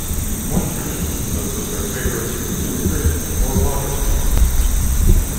One tradition says that their favourite food is grits or water-gruel.